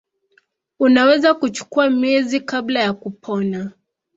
Unaweza kuchukua miezi kabla ya kupona.